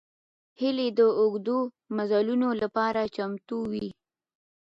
هیلۍ د اوږدو مزلونو لپاره چمتو وي